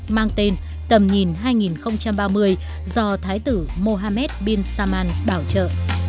mang tên tầm nhìn hai nghìn ba mươi do thái tử mohammed bin salman bảo trợ